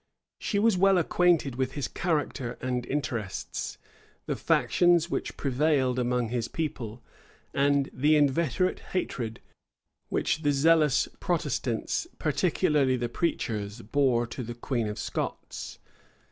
She was well acquainted with his character and interests, the factions which prevailed among his people, and the inveterate hatred which the zealous Protestants, particularly the preachers, bore to the queen of Scots.